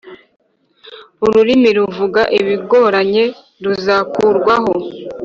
Ururimi ruvuga ibigoramye ruzakurwaho